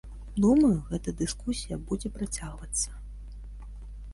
Думаю, гэта дыскусія будзе працягвацца.